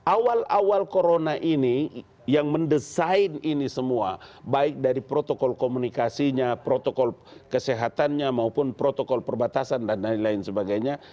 awal awal corona ini yang mendesain ini semua baik dari protokol komunikasinya protokol kesehatannya maupun protokol perbatasan dan lain lain sebagainya